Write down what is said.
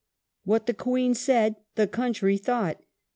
^ What the Queen said the country thought.